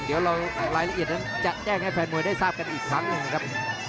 เดี๋ยวเรารายละเอียดนั้นจะแจ้งให้แฟนมวยได้ทราบกันอีกครั้งหนึ่งนะครับ